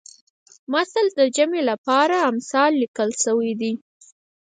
مثل د جمع لپاره امثال لیکل شوی دی